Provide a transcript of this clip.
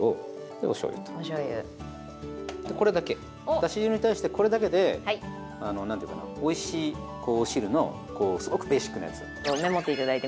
だし汁に対してこれだけでおいしいお汁のすごくベーシックなやつ。